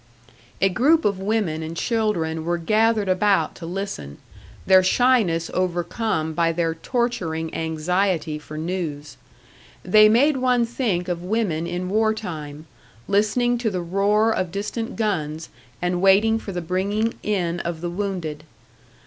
A group of women and children were gathered about to listen, their shyness overcome by their torturing anxiety for news. They made one think of women in war time, listening to the roar of distant guns and waiting for the bringing in of the wounded.